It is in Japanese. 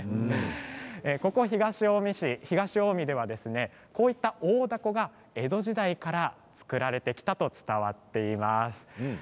ここ東近江ではこういった大だこが江戸時代から作られてきたと伝わっています。